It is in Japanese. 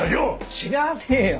知らねえよ！